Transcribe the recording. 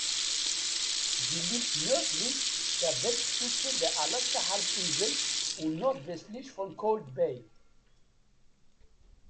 Sie liegt nördlich der Westspitze der Alaska-Halbinsel und nordwestlich von Cold Bay.